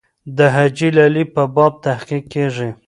د حاجي لالي په باب تحقیق کېږي.